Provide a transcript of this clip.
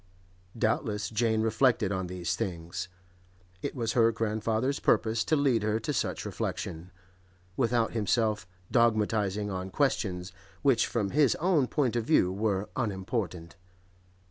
Doubtless Jane reflected on these things; it was her grandfather's purpose to lead her to such reflection, without himself dogmatising on questions which from his own point of view were unimportant.